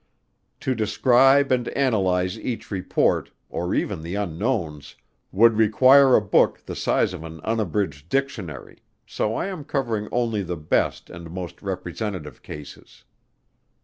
To describe and analyze each report, or even the unknowns, would require a book the size of an unabridged dictionary, so I am covering only the best and most representative cases.